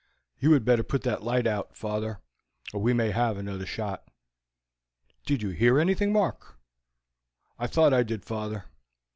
"You had better put that light out, father or we may have another shot." "Did you hear anything, Mark?" "I thought I did, father.